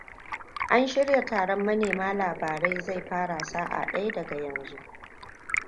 An shirya taron manema labarai zai fara sa'a daya daga yanzu.